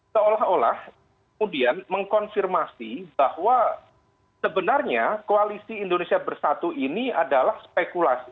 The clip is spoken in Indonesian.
seolah olah kemudian mengkonfirmasi bahwa sebenarnya koalisi indonesia bersatu ini adalah spekulasi